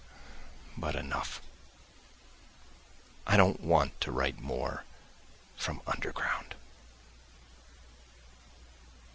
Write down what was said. But enough; I don't want to write more from "Underground."